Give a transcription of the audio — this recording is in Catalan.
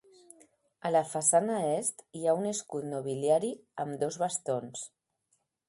A la façana est hi ha un escut nobiliari amb dos bastons.